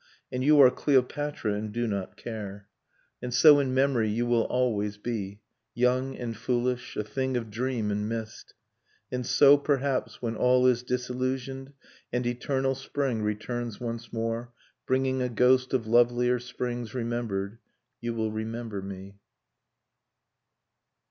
And you are Cleopatra, and do not care. .. And so, in memory, you will always be — Young and foolish, a thing of dream and mist; And so, perhaps, when all is disillusioned, And eternal spring returns once more. Bringing a ghost of lovelier springs remembered, You will remember me.